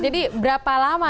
jadi berapa lama